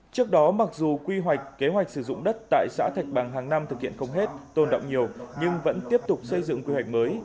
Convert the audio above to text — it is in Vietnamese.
trước đó mặc dù quy hoạch kế hoạch sử dụng đất tại xã thạch bằng hàng năm thực hiện không hết tôn động nhiều nhưng vẫn tiếp tục xây dựng quy hoạch mới